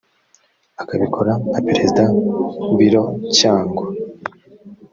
akabikora nka perezida biro cyangwa